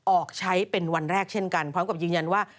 ออกใช้เป็นวันแรกเช่นกันพร้อมกับยืนยันว่า